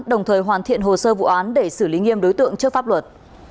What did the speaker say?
đồng thời hoàn thiện hồ sơ vụ án để xử lý nghiêm đối tượng trước pháp luật